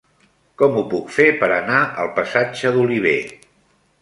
Com ho puc fer per anar al passatge d'Olivé?